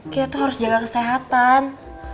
kita tuh harus jaga kesehatan